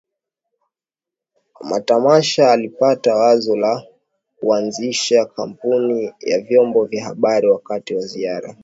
wa matamasha Alipata wazo la kuanzisha kampuni ya vyombo vya habari wakati wa ziara